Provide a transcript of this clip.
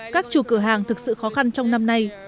các chủ cửa hàng thực sự khó khăn trong năm nay